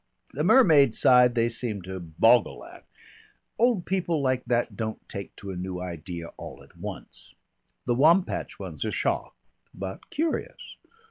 The mermaid side they seem to boggle at. Old people like that don't take to a new idea all at once. The Wampach ones are shocked but curious.